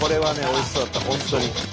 おいしそうだった本当に。